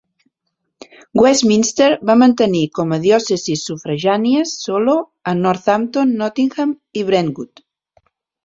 Westminster va mantenir com a diòcesis sufragànies solo a Northampton, Nottingham i Brentwood.